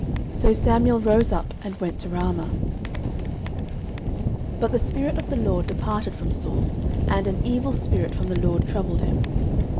So Samuel rose up, and went to Ramah. 09:016:014 But the Spirit of the LORD departed from Saul, and an evil spirit from the LORD troubled him.